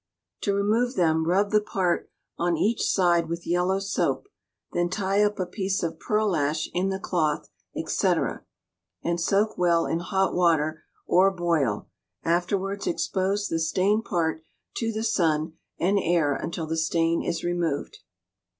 To remove them, rub the part on each side with yellow soap, then tie up a piece of pearlash in the cloth, &c., and soak well in hot water, or boil; afterwards expose the stained part to the sun and air until the stain is removed.